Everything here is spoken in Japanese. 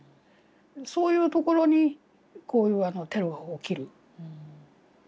そういうところにこういうテロが起きる。